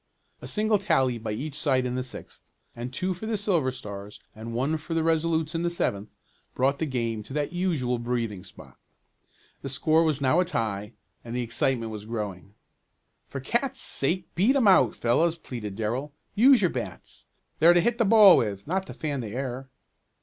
A single tally by each side in the sixth, and two for the Silver Stars and one for the Resolutes in the seventh, brought the game to that usual breathing spot. The score was now a tie, and the excitement was growing. "For cats' sake beat 'em out, fellows!" pleaded Darrell. "Use your bats. They're to hit the ball with, not to fan the air!"